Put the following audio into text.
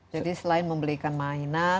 jadi selain membelikan mainan